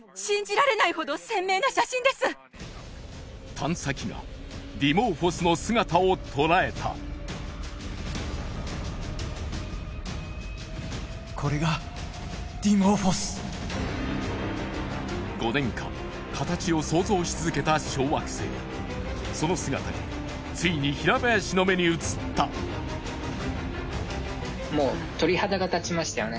探査機がディモーフォスの姿を捉えた５年間形を想像し続けた小惑星その姿がついに平林の目に映ったもう鳥肌が立ちましたよね